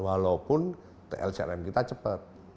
walaupun tlcrm kita cepat